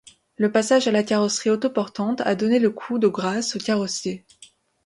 Le passage à la carrosserie autoportante a donné le coup de grâce aux carrossiers.